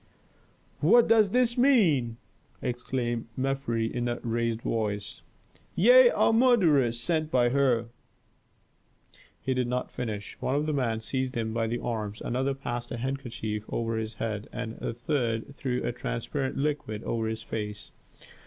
"What does this mean?" exclaimed Mefres in a raised voice. "Ye are murderers sent by Her " He did not finish. One of the men seized him by the arms, another passed a kerchief over his head, and a third threw a transparent liquid over his face.